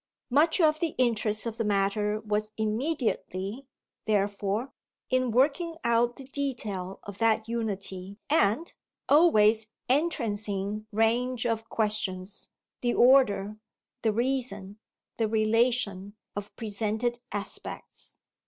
Much of the interest of the matter was immediately, therefore, in working out the detail of that unity and always entrancing range of questions the order, the reason, the relation, of presented aspects.